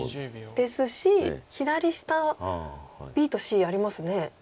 ですし左下ＢとＣありますね。